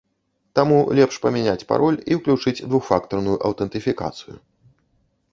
Таму лепш памяняць пароль і ўключыць двухфактарную аўтэнтыфікацыю.